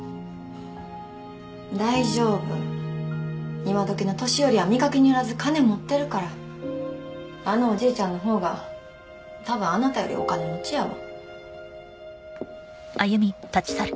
大丈夫今どきの年寄りは見かけによらず金持ってるからあのおじいちゃんのほうが多分あなたよりお金持ちやわ